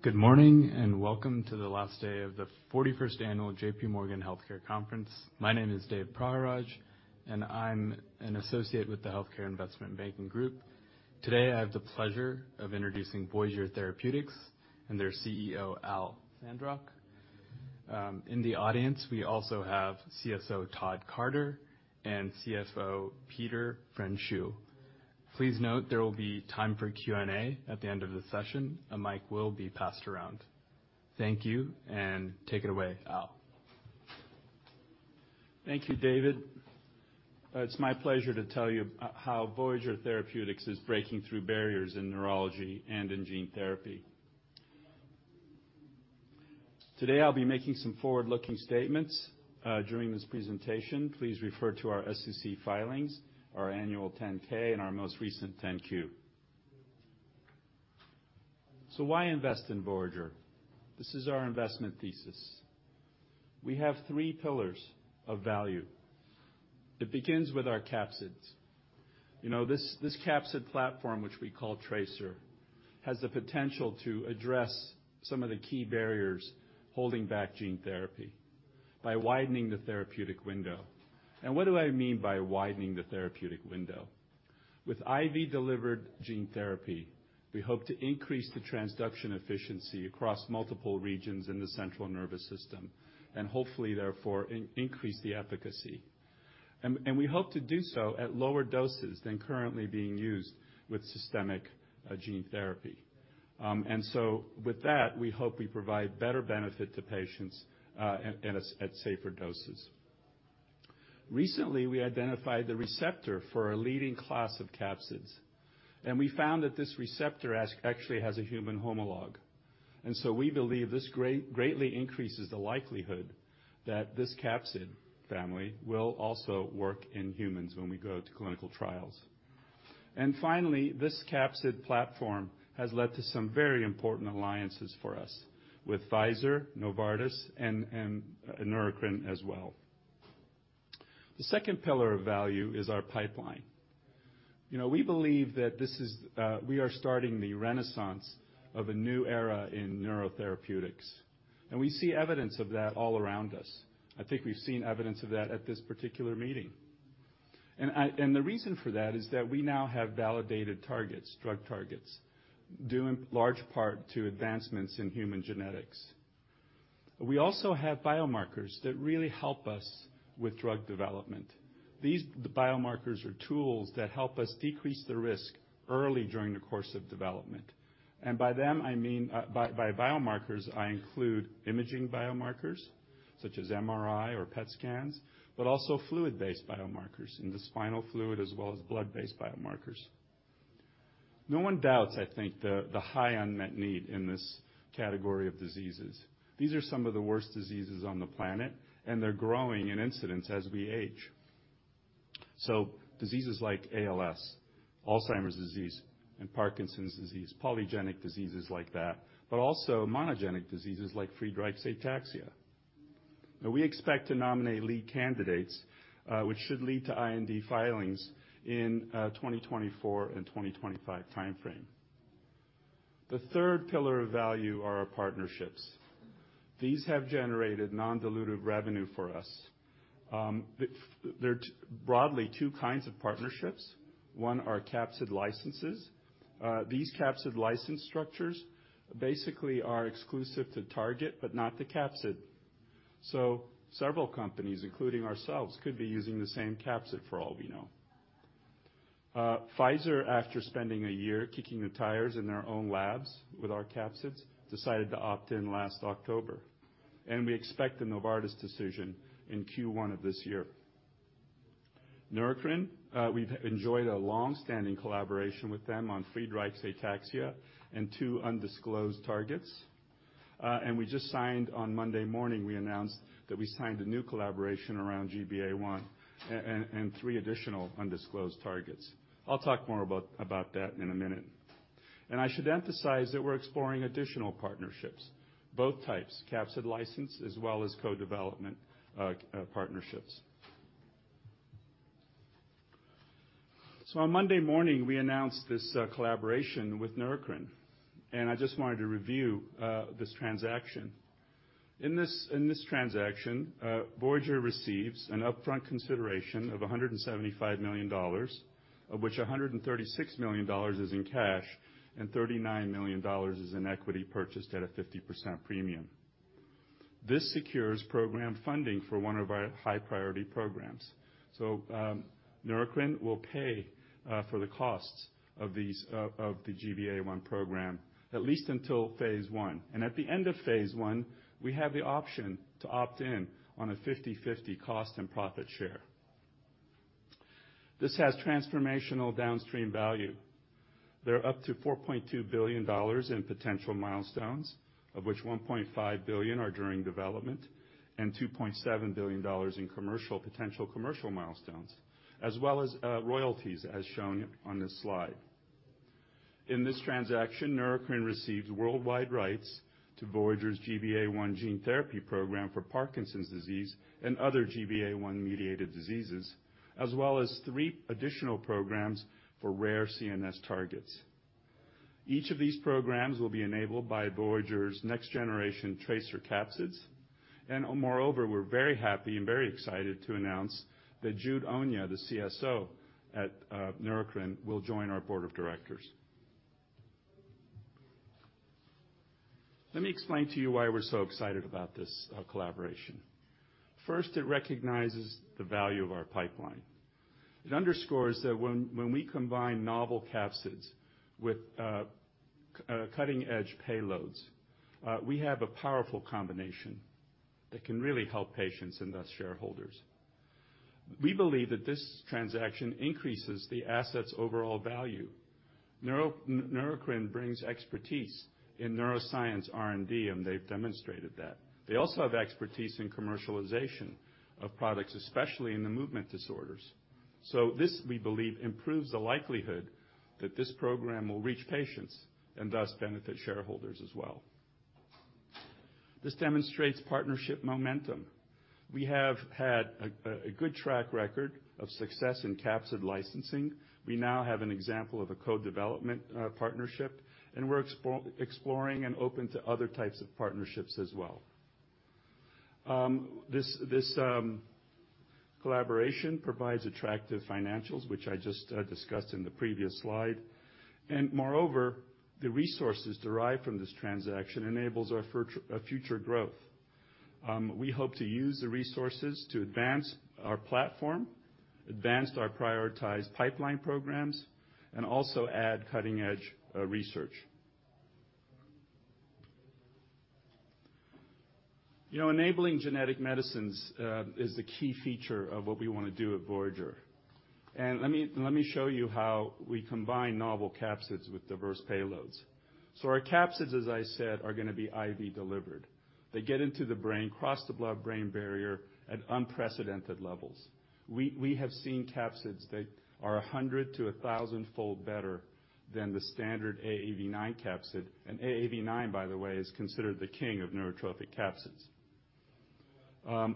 Good morning, and welcome to the last day of the 41st annual J.P. Morgan Healthcare Conference. My name is Dave Praharaj, and I'm an associate with the healthcare investment banking group. Today, I have the pleasure of introducing Voyager Therapeutics and their CEO Alfred Sandrock. In the audience, we also have CSO Todd Carter and CFO Peter Pfreundschuh. Please note there will be time for Q&A at the end of the session. A mic will be passed around. Thank you. Take it away, Al. Thank you, David. It's my pleasure to tell you how Voyager Therapeutics is breaking through barriers in neurology and in gene therapy. Today, I'll be making some forward-looking statements during this presentation, please refer to our SEC filings, our annual 10-K and our most recent 10-Q. Why invest in Voyager? This is our investment thesis. We have three pillars of value. It begins with our capsids. You know, this capsid platform, which we call TRACER, has the potential to address some of the key barriers holding back gene therapy by widening the therapeutic window. What do I mean by widening the therapeutic window? With IV-delivered gene therapy, we hope to increase the transduction efficiency across multiple regions in the central nervous system and hopefully therefore increase the efficacy. We hope to do so at lower doses than currently being used with systemic gene therapy. With that, we hope we provide better benefit to patients at a safer doses. Recently, we identified the receptor for a leading class of capsids, and we found that this receptor actually has a human homologue. We believe this greatly increases the likelihood that this capsid family will also work in humans when we go to clinical trials. Finally, this capsid platform has led to some very important alliances for us with Pfizer, Novartis, and Neurocrine as well. The second pillar of value is our pipeline. You know, we believe that this is we are starting the renaissance of a new era in neurotherapeutics, and we see evidence of that all around us. I think we've seen evidence of that at this particular meeting. The reason for that is that we now have validated targets, drug targets, due in large part to advancements in human genetics. We also have biomarkers that really help us with drug development. These, the biomarkers are tools that help us decrease the risk early during the course of development. By them, I mean, by biomarkers, I include imaging biomarkers such as MRI or PET scans, but also fluid-based biomarkers in the spinal fluid as well as blood-based biomarkers. No one doubts, I think, the high unmet need in this category of diseases. These are some of the worst diseases on the planet, and they're growing in incidence as we age. Diseases like ALS, Alzheimer's disease and Parkinson's disease, polygenic diseases like that, but also monogenic diseases like Friedreich's ataxia. Now we expect to nominate lead candidates, which should lead to IND filings in 2024 and 2025 timeframe. The third pillar of value are our partnerships. These have generated non-dilutive revenue for us. There are broadly two kinds of partnerships. One are capsid licenses. These capsid license structures basically are exclusive to target, but not the capsid. Several companies, including ourselves, could be using the same capsid for all we know. Pfizer, after spending a year kicking the tires in their own labs with our capsids, decided to opt in last October, and we expect a Novartis decision in Q1 of this year. Neurocrine, we've enjoyed a long-standing collaboration with them on Friedreich's ataxia and two undisclosed targets. We just signed... On Monday morning, we announced that we signed a new collaboration around GBA1 and three additional undisclosed targets. I'll talk more about that in a minute. I should emphasize that we're exploring additional partnerships, both types, capsid license as well as co-development partnerships. On Monday morning, we announced this collaboration with Neurocrine, and I just wanted to review this transaction. In this transaction, Voyager receives an upfront consideration of $175 million, of which $136 million is in cash and $39 million is in equity purchased at a 50% premium. This secures program funding for one of our high priority programs. Neurocrine will pay for the costs of the GBA1 program, at least until phase 1. At the end of phase 1, we have the option to opt in on a 50/50 cost and profit share. This has transformational downstream value. There are up to $4.2 billion in potential milestones, of which $1.5 billion are during development and $2.7 billion in commercial, potential commercial milestones, as well as royalties, as shown on this slide. In this transaction, Neurocrine receives worldwide rights to Voyager's GBA1 gene therapy program for Parkinson's disease and other GBA1-mediated diseases, as well as three additional programs for rare CNS targets. Each of these programs will be enabled by Voyager's next generation TRACER capsids. Moreover, we're very happy and very excited to announce that Jude Onyia, the CSO at Neurocrine, will join our board of directors. Let me explain to you why we're so excited about this collaboration. First, it recognizes the value of our pipeline. It underscores that when we combine novel capsids with cutting-edge payloads, we have a powerful combination that can really help patients and thus shareholders. We believe that this transaction increases the asset's overall value. Neurocrine brings expertise in neuroscience R&D, and they've demonstrated that. They also have expertise in commercialization of products, especially in the movement disorders. This, we believe, improves the likelihood that this program will reach patients and thus benefit shareholders as well. This demonstrates partnership momentum. We have had a good track record of success in capsid licensing. We now have an example of a co-development partnership, and we're exploring and open to other types of partnerships as well. This collaboration provides attractive financials, which I just discussed in the previous slide. Moreover, the resources derived from this transaction enables our future growth. We hope to use the resources to advance our platform, advance our prioritized pipeline programs, and also add cutting-edge research. You know, enabling genetic medicines is the key feature of what we wanna do at Voyager. Let me show you how we combine novel capsids with diverse payloads. Our capsids, as I said, are gonna be IV delivered. They get into the brain, cross the blood-brain barrier at unprecedented levels. We have seen capsids that are 100-1,000 fold better than the standard AAV9 capsid. AAV9, by the way, is considered the king of neurotrophic capsids.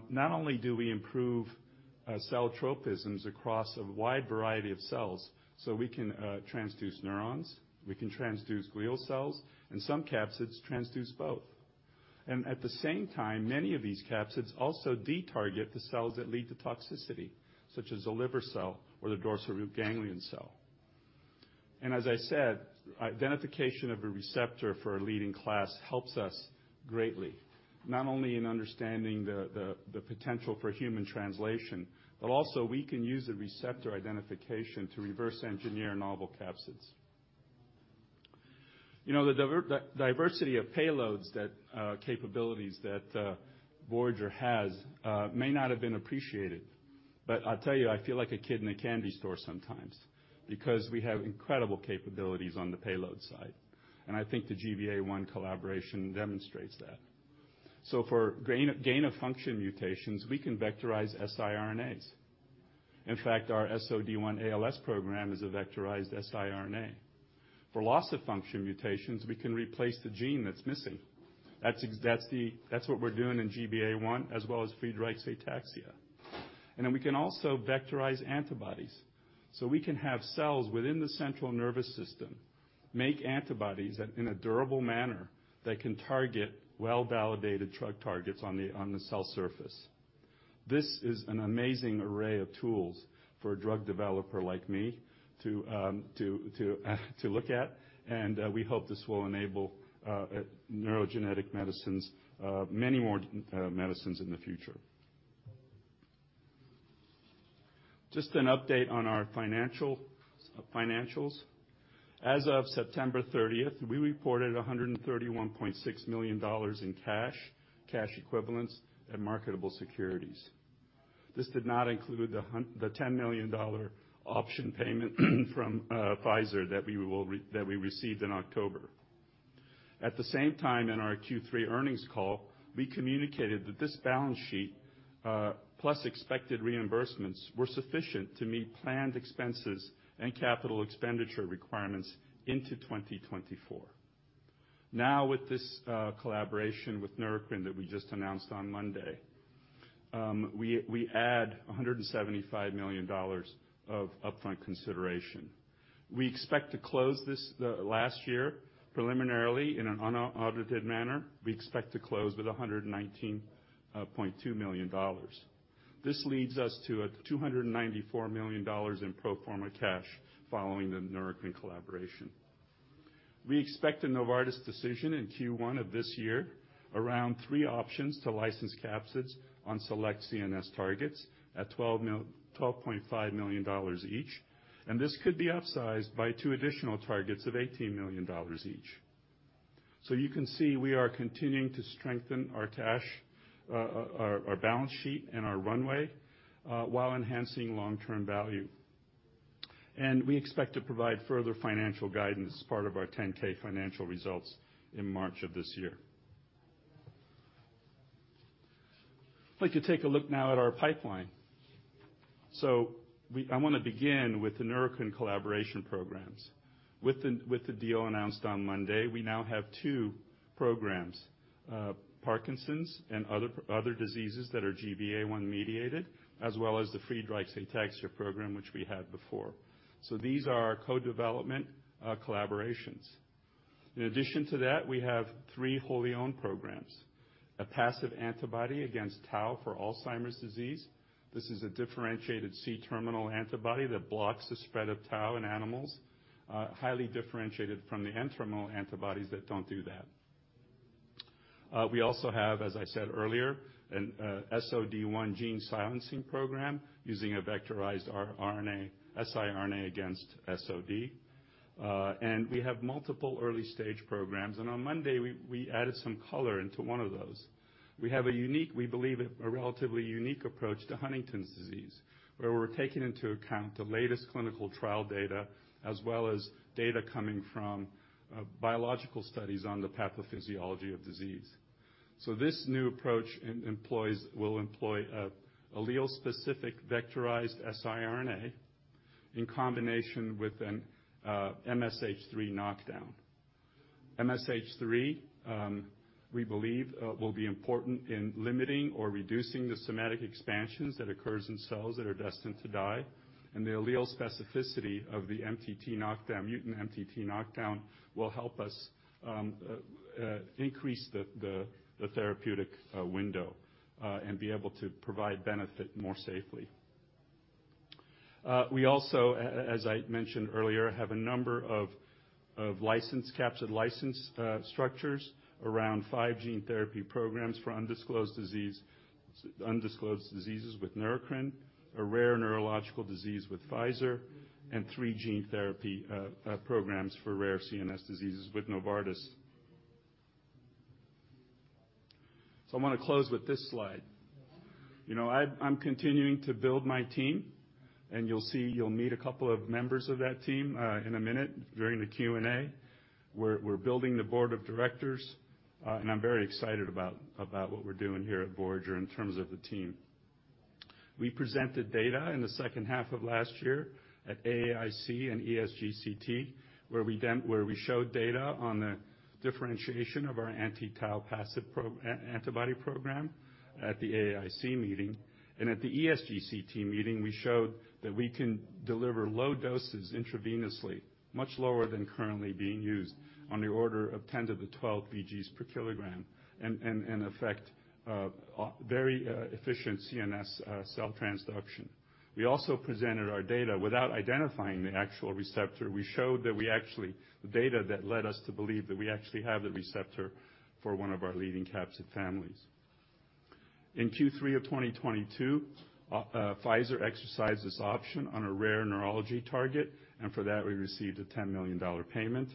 not only do we improve cell tropisms across a wide variety of cells, so we can transduce neurons, we can transduce glial cells, and some capsids transduce both. At the same time, many of these capsids also de-target the cells that lead to toxicity, such as the liver cell or the dorsal root ganglion cell. As I said, identification of a receptor for a leading class helps us greatly, not only in understanding the potential for human translation, but also we can use the receptor identification to reverse engineer novel capsids. You know, the diversity of payloads that capabilities that Voyager has may not have been appreciated, but I'll tell you, I feel like a kid in a candy store sometimes because we have incredible capabilities on the payload side. I think the GBA1 collaboration demonstrates that. For gain-of-function mutations, we can vectorize siRNAs. In fact, our SOD1 ALS program is a vectorized siRNA. For loss-of-function mutations, we can replace the gene that's missing. That's what we're doing in GBA1 as well as Friedreich's ataxia. We can also vectorize antibodies, so we can have cells within the central nervous system make antibodies in a durable manner that can target well-validated drug targets on the cell surface. This is an amazing array of tools for a drug developer like me to look at, and we hope this will enable neurogenetic medicines, many more medicines in the future. Just an update on our financials. As of September 30th, we reported $131.6 million in cash equivalents, and marketable securities. This did not include the $10 million option payment from Pfizer that we will that we received in October. At the same time, in our Q3 earnings call, we communicated that this balance sheet plus expected reimbursements were sufficient to meet planned expenses and Capital Expenditures requirements into 2024. Now, with this collaboration with Neurocrine that we just announced on Monday, we add $175 million of upfront consideration. We expect to close this, the last year preliminarily in an unaudited manner. We expect to close with $119.2 million. This leads us to $294 million in pro forma cash following the Neurocrine collaboration. We expect a Novartis decision in Q1 of this year around three options to license capsids on select CNS targets at $12.5 million each, and this could be upsized by two additional targets of $18 million each. You can see, we are continuing to strengthen our cash, our balance sheet and our runway, while enhancing long-term value. We expect to provide further financial guidance as part of our 10-K financial results in March of this year. I'd like to take a look now at our pipeline. I wanna begin with the Neurocrine collaboration programs. With the deal announced on Monday, we now have two programs. Parkinson's and other diseases that are GBA1 mediated, as well as the Friedreich's ataxia program which we had before. These are our co-development collaborations. In addition to that, we have three wholly owned programs. A passive antibody against tau for Alzheimer's disease. This is a differentiated C-terminal antibody that blocks the spread of tau in animals, highly differentiated from the N-terminal antibodies that don't do that. We also have, as I said earlier, an SOD1 gene silencing program using a vectorized siRNA against SOD. We have multiple early stage programs. On Monday, we added some color into one of those. We have a unique, we believe a relatively unique approach to Huntington's disease, where we're taking into account the latest clinical trial data, as well as data coming from biological studies on the pathophysiology of disease. This new approach will employ a allele-specific vectorized siRNA in combination with an MSH3 knockdown. MSH3, we believe, will be important in limiting or reducing the somatic expansions that occurs in cells that are destined to die, and the allele specificity of the mHTT knockdown, mutant mHTT knockdown will help us increase the therapeutic window and be able to provide benefit more safely. We also, as I mentioned earlier, have a number of license, capsid license structures around five gene therapy programs for undisclosed disease, undisclosed diseases with Neurocrine, a rare neurological disease with Pfizer, and three gene therapy programs for rare CNS diseases with Novartis. I wanna close with this slide. You know, I'm continuing to build my team, and you'll meet a couple of members of that team in a minute during the Q&A. We're building the board of directors, and I'm very excited about what we're doing here at Voyager in terms of the team. We presented data in the second half of last year at AAIC and ESGCT, where we showed data on the differentiation of our anti-tau passive antibody program at the AAIC meeting. At the ESGCT meeting, we showed that we can deliver low doses intravenously, much lower than currently being used, on the order of 10 to the 12 VGs per kg, in effect, a very efficient CNS cell transduction. We also presented our data without identifying the actual receptor. The data that led us to believe that we actually have the receptor for one of our leading capsid families. In Q3 of 2022, Pfizer exercised its option on a rare neurology target. For that we received a $10 million payment.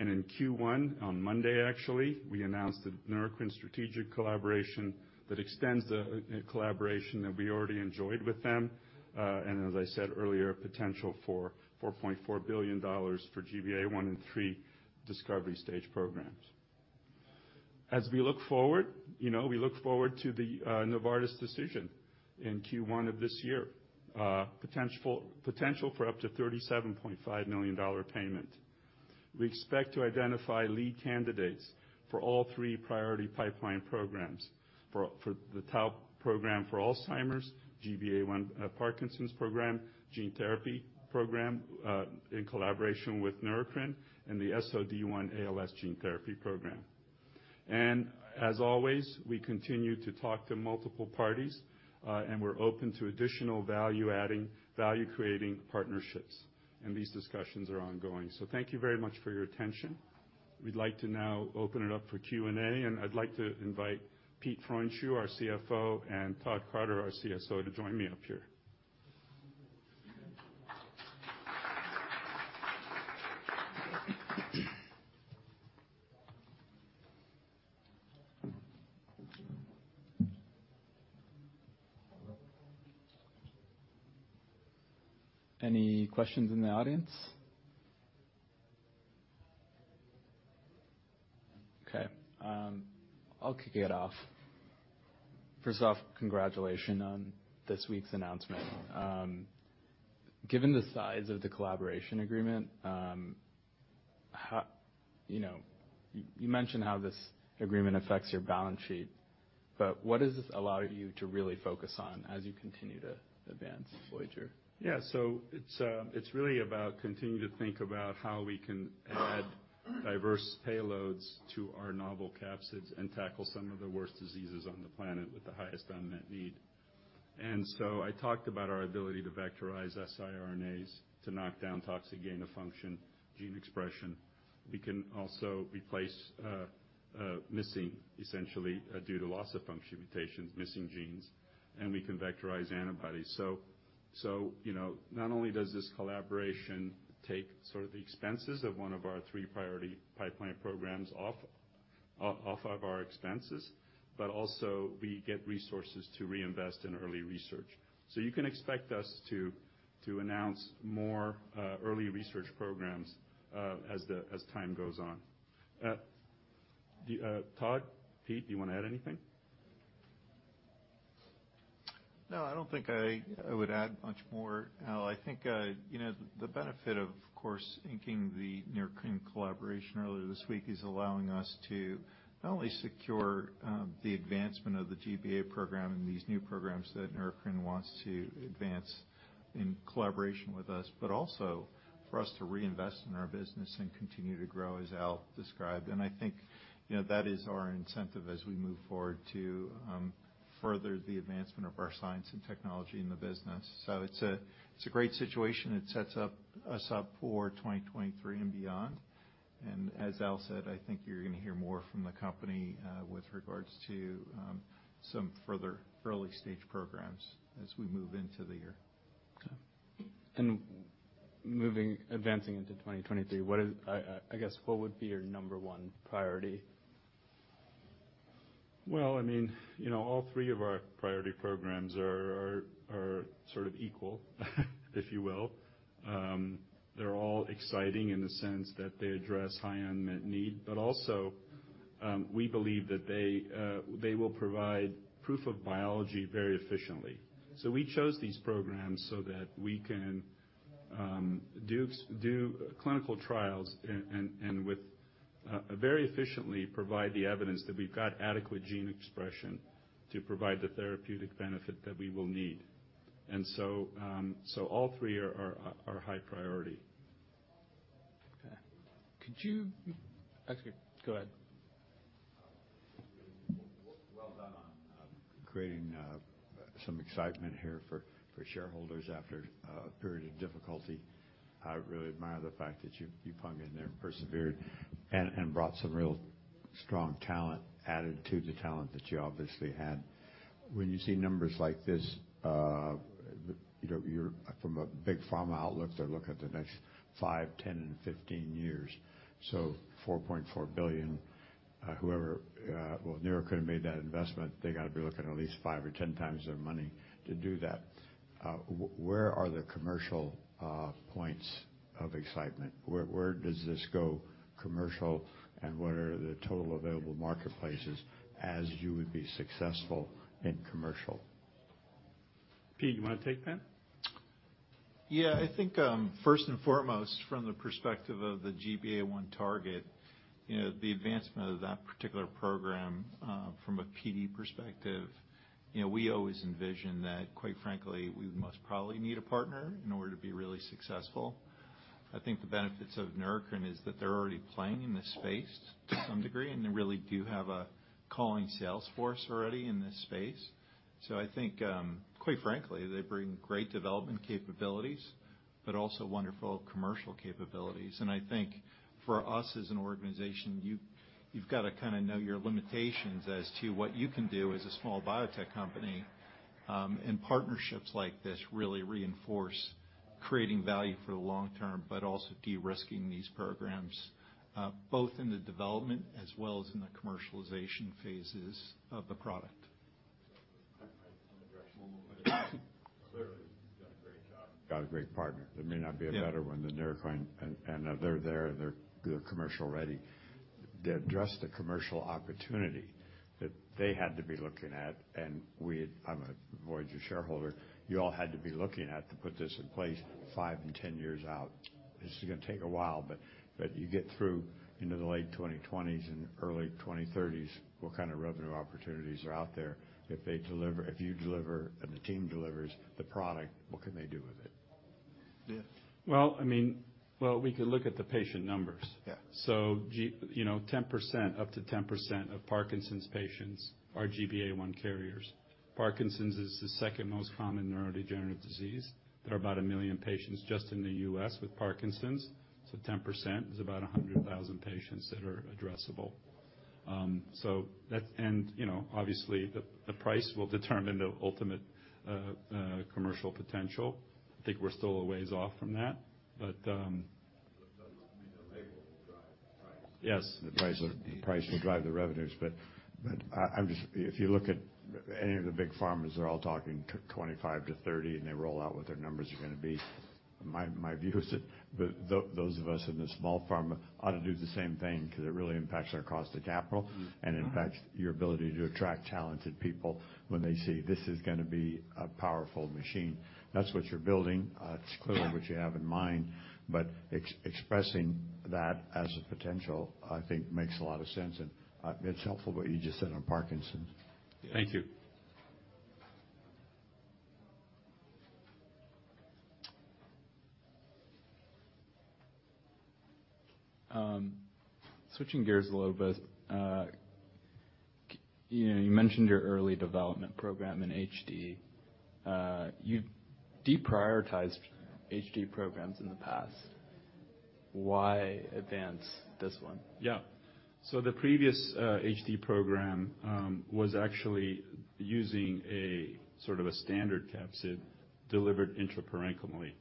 In Q1, on Monday actually, we announced the Neurocrine strategic collaboration that extends the collaboration that we already enjoyed with them. As I said earlier, potential for $4.4 billion for GBA1 and three discovery stage programs. As we look forward, you know, we look forward to the Novartis decision in Q1 of this year. Potential for up to $37.5 million payment. We expect to identify lead candidates for all three priority pipeline programs, for the tau program for Alzheimer's, GBA1 Parkinson's program, gene therapy program, in collaboration with Neurocrine, and the SOD1 ALS gene therapy program. As always, we continue to talk to multiple parties, and we're open to additional value-adding, value-creating partnerships, and these discussions are ongoing. Thank you very much for your attention. We'd like to now open it up for Q&A, and I'd like to invite Peter Pfreundschuh, our CFO, and Todd Carter, our CSO, to join me up here. Any questions in the audience? Okay, I'll kick it off. First off, congratulations on this week's announcement. Given the size of the collaboration agreement, You know, you mentioned how this agreement affects your balance sheet, but what does this allow you to really focus on as you continue to advance Voyager? Yeah. It's, it's really about continuing to think about how we can add diverse payloads to our novel capsids and tackle some of the worst diseases on the planet with the highest unmet need. I talked about our ability to vectorize siRNAs to knock down toxic gain-of-function gene expression. We can also replace, missing, essentially, due to loss-of-function mutations, missing genes, and we can vectorize antibodies. You know, not only does this collaboration take sort of the expenses of one of our three priority pipeline programs off of our expenses, but also we get resources to reinvest in early research. You can expect us to announce more early research programs as the, as time goes on. Todd, Pete, do you wanna add anything? No, I don't think I would add much more, Al. I think, you know, the benefit of course, inking the Neurocrine collaboration earlier this week is allowing us to not only secure the advancement of the GBA program and these new programs that Neurocrine wants to advance in collaboration with us, but also for us to reinvest in our business and continue to grow as Al described. I think, you know, that is our incentive as we move forward to further the advancement of our science and technology in the business. It's a, it's a great situation. It sets up, us up for 2023 and beyond. As Al said, I think you're gonna hear more from the company with regards to some further early-stage programs as we move into the year. Okay. Moving, advancing into 2023, I guess, what would be your number one priority? Well, I mean, you know, all three of our priority programs are sort of equal, if you will. They're all exciting in the sense that they address high unmet need, but also, we believe that they will provide proof of biology very efficiently. We chose these programs so that we can, do clinical trials and with, very efficiently provide the evidence that we've got adequate gene expression to provide the therapeutic benefit that we will need. All three are high priority. Okay. Actually, go ahead. Well, well done on creating some excitement here for shareholders after a period of difficulty. I really admire the fact that you hung in there and persevered and brought some real strong talent added to the talent that you obviously had. When you see numbers like this, you know, from a big pharma outlook, they're looking at the next five, 10, and 15 years. $4.4 billion, whoever, well, Neurocrine made that investment, they gotta be looking at least five or 10x their money to do that. Where are the commercial points of excitement? Where does this go commercial, and what are the total available marketplaces as you would be successful in commercial? Pete, you wanna take that? Yeah. I think, first and foremost, from the perspective of the GBA1 target, you know, the advancement of that particular program, from a PD perspective, you know, we always envision that, quite frankly, we must probably need a partner in order to be really successful. I think the benefits of Neurocrine is that they're already playing in this space to some degree, and they really do have a calling sales force already in this space. I think, quite frankly, they bring great development capabilities, but also wonderful commercial capabilities. I think for us as an organization, you've gotta kinda know your limitations as to what you can do as a small biotech company. Partnerships like this really reinforce creating value for the long term, but also de-risking these programs, both in the development as well as in the commercialization phases of the product. In the direction you've done a great job, got a great partner. There may not be a better one than Neurocrine, and they're commercial ready. To address the commercial opportunity that they had to be looking at I'm a Voyager shareholder, you all had to be looking at to put this in place five and 10 years out. This is gonna take a while, but you get through into the late 2020s and early 2030s, what kind of revenue opportunities are out there if they deliver, if you deliver, and the team delivers the product, what can they do with it? Yeah. Well, I mean, well, we could look at the patient numbers. Yeah. You know, 10%, up to 10% of Parkinson's patients are GBA1 carriers. Parkinson's is the second most common neurodegenerative disease. There are about 1 million patients just in the U.S. with Parkinson's. Ten percent is about 100,000 patients that are addressable. That's. You know, obviously the price will determine the ultimate commercial potential. I think we're still a ways off from that, but. The, I mean, the label will drive the price. Yes. The price will drive the revenues. If you look at any of the big pharmas, they're all talking 25 to 30, and they roll out what their numbers are gonna be. My, my view is that those of us in the small pharma ought to do the same thing 'cause it really impacts our cost of capital. Mm-hmm. and impacts your ability to attract talented people when they see this is gonna be a powerful machine. That's what you're building. It's clearly what you have in mind. Expressing that as a potential, I think makes a lot of sense. It's helpful what you just said on Parkinson's. Thank you. Switching gears a little bit, you know, you mentioned your early development program in HD. You deprioritized HD programs in the past. Why advance this one? The previous HD program was actually using a sort of a standard capsid delivered intraparenchymally.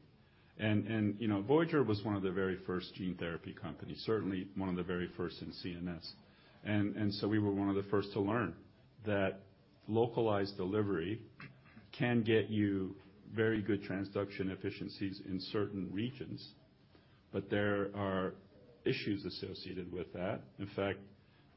You know, Voyager was one of the very first gene therapy companies, certainly one of the very first in CNS. We were one of the first to learn that localized delivery can get you very good transduction efficiencies in certain regions. But there are issues associated with that. In fact,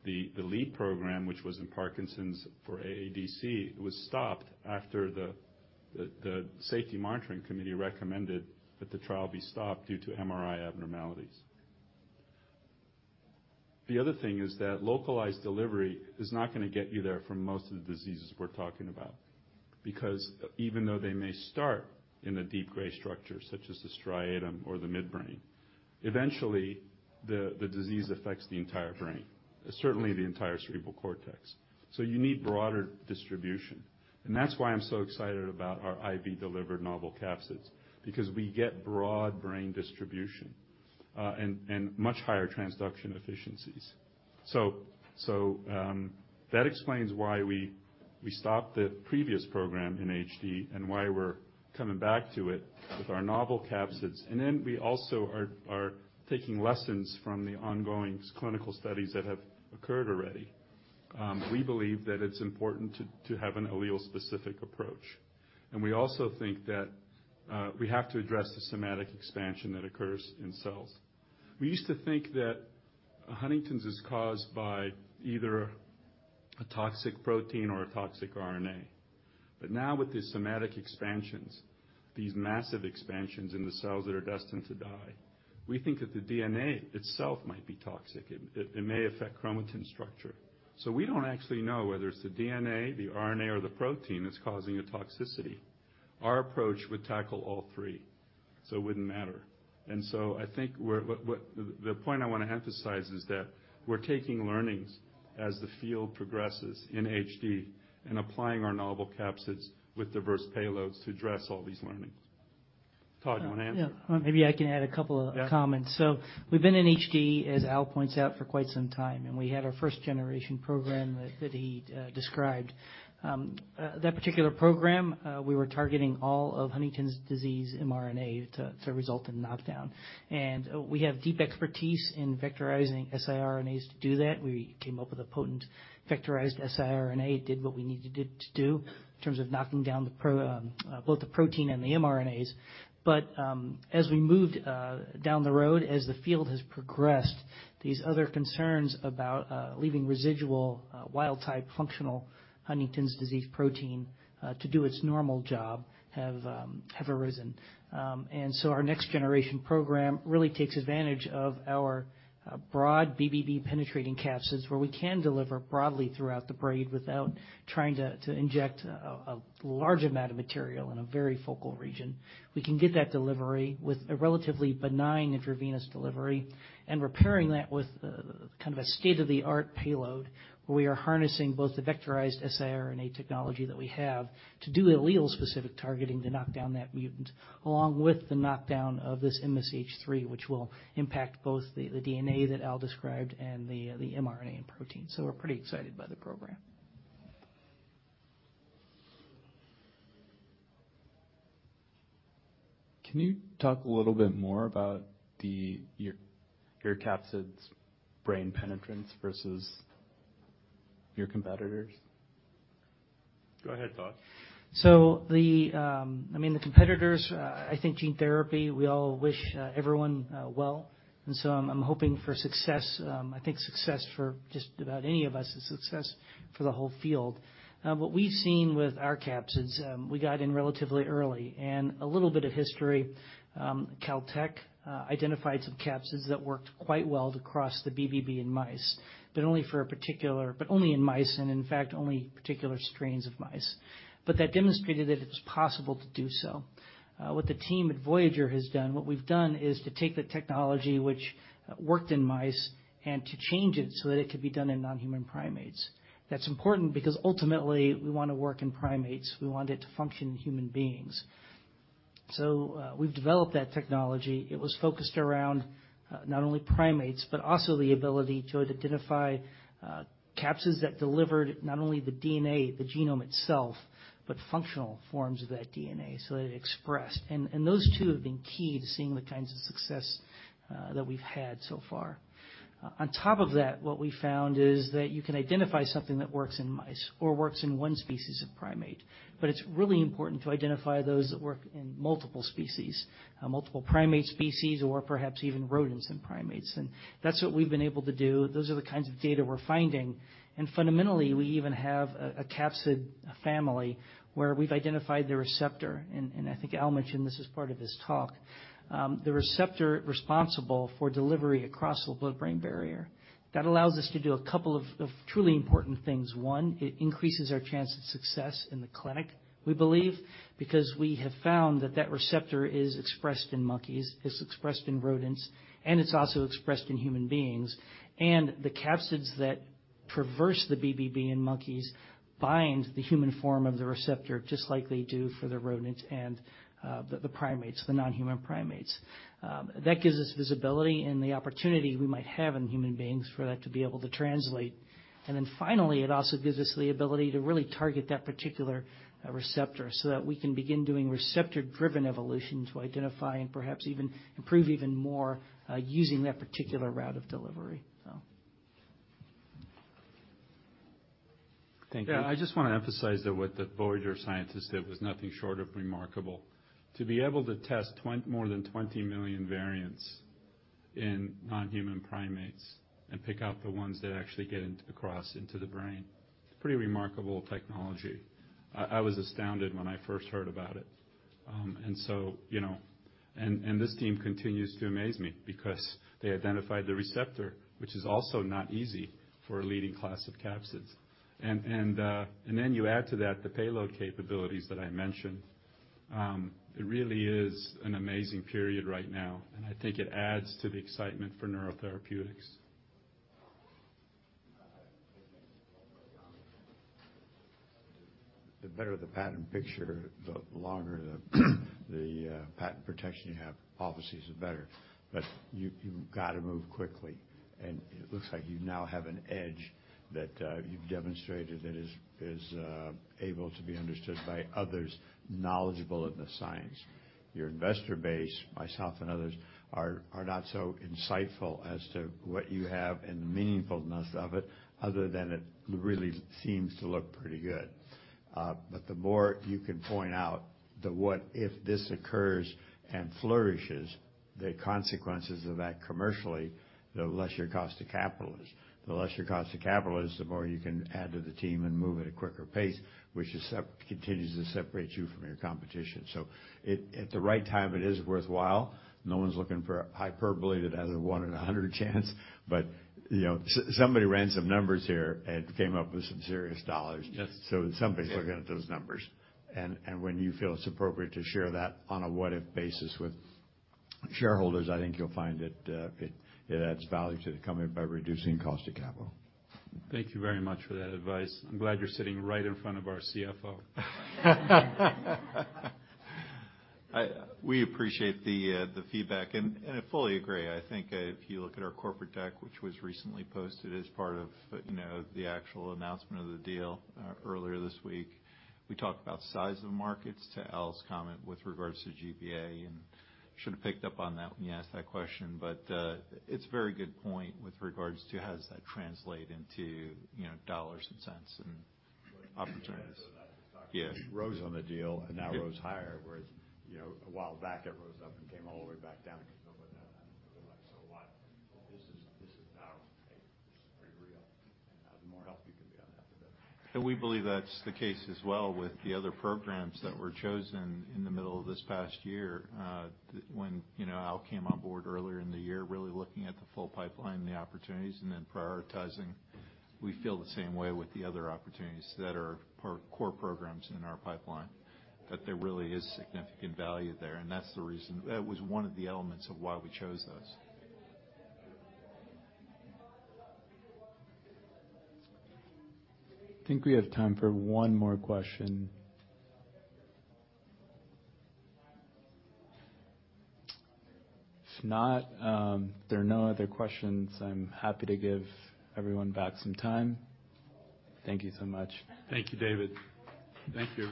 the lead program, which was in Parkinson's for AADC, was stopped after the safety monitoring committee recommended that the trial be stopped due to MRI abnormalities. Localized delivery is not gonna get you there for most of the diseases we're talking about. Even though they may start in the deep gray structure, such as the striatum or the midbrain, eventually the disease affects the entire brain, certainly the entire cerebral cortex. You need broader distribution. That's why I'm so excited about our IV-delivered novel capsids, because we get broad brain distribution, and much higher transduction efficiencies. That explains why we stopped the previous program in HD, and why we're coming back to it with our novel capsids. We also are taking lessons from the ongoing clinical studies that have occurred already. We believe that it's important to have an allele-specific approach. We also think that we have to address the somatic expansion that occurs in cells. We used to think that Huntington's is caused by either a toxic protein or a toxic RNA. Now with these somatic expansions, these massive expansions in the cells that are destined to die, we think that the DNA itself might be toxic. It may affect chromatin structure. We don't actually know whether it's the DNA, the RNA, or the protein that's causing a toxicity. Our approach would tackle all three, so it wouldn't matter. I think the point I wanna emphasize is that we're taking learnings as the field progresses in HD and applying our novel capsids with diverse payloads to address all these learnings. Todd, you wanna add? Yeah. Maybe I can add a couple of. Yeah. Comments. We've been in HD, as Al points out, for quite some time, and we had our first generation program that he described. That particular program, we were targeting all of Huntington's disease mRNA to result in knockdown. We have deep expertise in vectorizing siRNAs to do that. We came up with a potent vectorized siRNA. It did what we needed it to do in terms of knocking down both the protein and the mRNAs. As we moved down the road, as the field has progressed, these other concerns about leaving residual wild type functional Huntington's disease protein to do its normal job have arisen. Our next generation program really takes advantage of our broad BBB penetrating capsids, where we can deliver broadly throughout the brain without trying to inject a large amount of material in a very focal region. We can get that delivery with a relatively benign intravenous delivery and pairing that with kind of a state-of-the-art payload, where we are harnessing both the vectorized siRNA technology that we have to do allele-specific targeting to knock down that mutant, along with the knockdown of this MSH3, which will impact both the DNA that Al described and the mRNA and protein. We're pretty excited by the program. Can you talk a little bit more about your capsid's brain penetrance versus your competitors? Go ahead, Todd. The, I mean, the competitors, I think gene therapy, we all wish everyone well, and so I'm hoping for success. I think success for just about any of us is success for the whole field. What we've seen with our capsids, we got in relatively early. A little bit of history, Caltech identified some capsids that worked quite well to cross the BBB in mice, but only in mice, and in fact, only particular strains of mice. That demonstrated that it was possible to do so. What the team at Voyager has done, what we've done is to take the technology which worked in mice and to change it so that it could be done in non-human primates. That's important because ultimately, we wanna work in primates. We want it to function in human beings. We've developed that technology. It was focused around, not only primates, but also the ability to identify, capsids that delivered not only the DNA, the genome itself, but functional forms of that DNA, so that it expressed. Those two have been key to seeing the kinds of success that we've had so far. On top of that, what we found is that you can identify something that works in mice or works in one species of primate, but it's really important to identify those that work in multiple species, multiple primate species or perhaps even rodents and primates. That's what we've been able to do. Those are the kinds of data we're finding. Fundamentally, we even have a capsid, a family where we've identified the receptor, and I think Al mentioned this as part of his talk. The receptor responsible for delivery across the blood-brain barrier. That allows us to do a couple of truly important things. One, it increases our chance of success in the clinic, we believe, because we have found that that receptor is expressed in monkeys, it's expressed in rodents, and it's also expressed in human beings. The capsids that traverse the BBB in monkeys bind the human form of the receptor, just like they do for the rodents and the primates, the non-human primates. That gives us visibility and the opportunity we might have in human beings for that to be able to translate. It also gives us the ability to really target that particular receptor so that we can begin doing receptor-driven evolution to identify and perhaps even improve even more using that particular route of delivery. Yeah, I just wanna emphasize that what the Voyager scientists did was nothing short of remarkable. To be able to test more than 20 million variants in non-human primates and pick out the ones that actually get into across into the brain, it's pretty remarkable technology. I was astounded when I first heard about it. You know. This team continues to amaze me because they identified the receptor, which is also not easy for a leading class of capsids. You add to that the payload capabilities that I mentioned. It really is an amazing period right now, and I think it adds to the excitement for neurotherapeutics. The better the patent picture, the longer the patent protection you have, obviously is the better. You've gotta move quickly, and it looks like you now have an edge that you've demonstrated that is able to be understood by others knowledgeable in the science. Your investor base, myself and others are not so insightful as to what you have and the meaningfulness of it other than it really seems to look pretty good. The more you can point out the what if this occurs and flourishes, the consequences of that commercially, the lesser cost to capital is. The lesser cost to capital is, the more you can add to the team and move at a quicker pace, which continues to separate you from your competition. At the right time, it is worthwhile. No one's looking for hyperbole that has a one in a 100 chance, but, you know, somebody ran some numbers here and came up with some serious dollars. Yes. Somebody's looking at those numbers. When you feel it's appropriate to share that on a what if basis with shareholders, I think you'll find that it adds value to the company by reducing cost of capital. Thank you very much for that advice. I'm glad you're sitting right in front of our CFO. We appreciate the feedback and I fully agree. I think if you look at our corporate deck, which was recently posted as part of, you know, the actual announcement of the deal earlier this week, we talked about size of the markets to Al's comment with regards to GBA1, and should have picked up on that when you asked that question. It's a very good point with regards to how does that translate into, you know, dollars and cents and opportunities. Rose on the deal and now rose higher, whereas, you know, a while back it rose up and came all the way back down because nobody... What? This is now. This is pretty real. The more help you can be on that, the better. We believe that's the case as well with the other programs that were chosen in the middle of this past year. When, you know, Al came on board earlier in the year, really looking at the full pipeline and the opportunities, and then prioritizing. We feel the same way with the other opportunities that are part of core programs in our pipeline, that there really is significant value there. That was one of the elements of why we chose those. I think we have time for one more question. If not, if there are no other questions, I'm happy to give everyone back some time. Thank you so much. Thank you, David. Thank you.